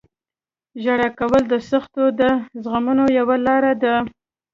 • ژړا کول د سختیو د زغملو یوه لاره ده.